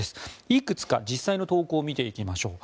いくつか実際の投稿を見ていきましょう。